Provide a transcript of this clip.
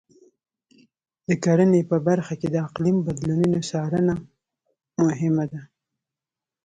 د کرنې په برخه کې د اقلیم بدلونونو څارنه مهمه ده.